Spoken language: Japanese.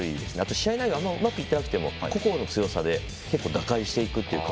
試合内容がうまくいかなくても個々の強さで打開していくという。